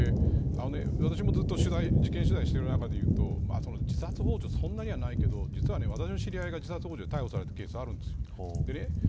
私も事件取材をしてる中で言うと自殺ほう助はそんなにないけど私の知り合いが自殺ほう助で逮捕されたケースがあるんです。